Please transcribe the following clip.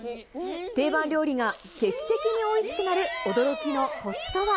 定番料理が劇的においしくなる驚きのこつとは。